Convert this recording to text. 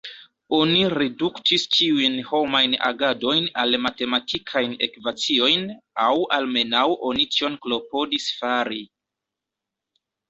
Oni reduktis ĉiujn homajn agadojn al matematikajn ekvaciojn, aŭ almenaŭ oni tion klopodis fari.